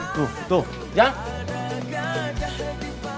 tuh tuh jangan